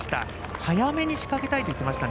早めに仕掛けたいといっていましたね。